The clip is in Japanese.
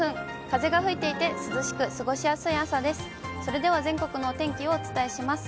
風が吹いていて、涼しく過ごしやすい朝です。